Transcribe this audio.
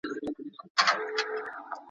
اصلي ارزښت به يې معلوم کړي.